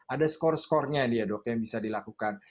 ada score score nya dia dokter yang bisa dilakukan